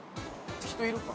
人いるか？